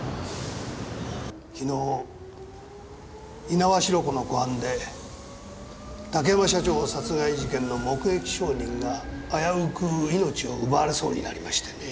昨日猪苗代湖の湖畔で竹山社長殺害事件の目撃証人が危うく命を奪われそうになりましてね。